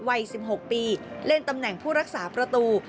วัย๑๖ปีเล่นตำแหน่งผู้รักษาประตู